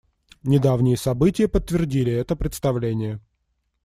Недавние события подтвердили это представление.